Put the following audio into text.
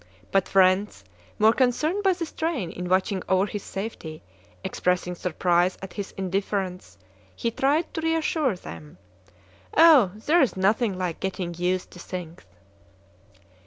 But friends, more concerned by the strain in watching over his safety, expressing surprise at his indifference, he tried to reassure them: "Oh, there is nothing like getting used to things!"